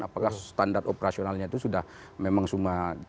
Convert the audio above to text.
apakah standar operasionalnya itu sudah memang cuma